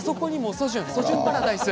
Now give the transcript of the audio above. ソジュンパラダイス。